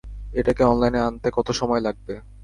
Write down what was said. এটাকে অনলাইনে আনতে কত সময় লাগবে?